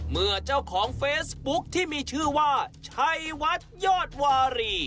เมื่อเจ้าของเฟซบุ๊คที่มีชื่อว่าชัยวัดยอดวารี